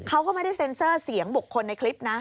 เขาก็ไม่ได้เซ็นเซอร์เสียงบุคคลในคลิปนะ